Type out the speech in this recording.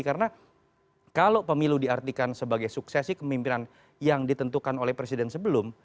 karena kalau pemilu diartikan sebagai suksesi kemimpinan yang ditentukan oleh presiden sebelum